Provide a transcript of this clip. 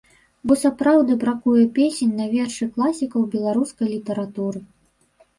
Бо сапраўды бракуе песень на вершы класікаў беларускай літаратуры.